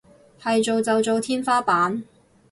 係做就做天花板